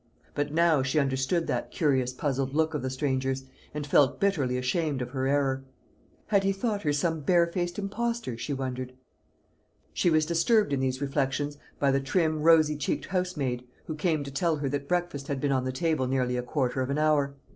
But now she understood that curious puzzled look of the stranger's, and felt bitterly ashamed of her error. Had he thought her some barefaced impostor, she wondered? She was disturbed in these reflections by the trim rosy cheeked house maid, who came to tell her that breakfast had been on the table nearly a quarter of an hour.